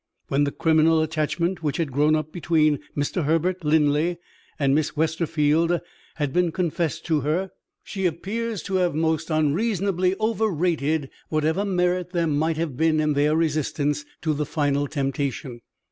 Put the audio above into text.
When the criminal attachment which had grown up between Mr. Herbert Linley and Miss Westerfield had been confessed to her, she appears to have most unreasonably overrated whatever merit there might have been in their resistance to the final temptation.